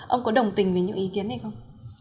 ông có đồng tình với những ý kiến hay không